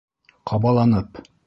Ҡабаланып: